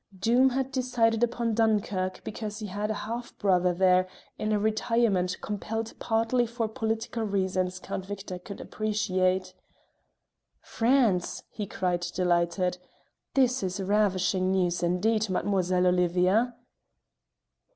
Doom had decided upon Dunkerque because he had a half brother there in a retirement compelled partly for political reasons Count Victor could appreciate. "France!" he cried, delighted. "This is ravishing news indeed, Mademoiselle Olivia!"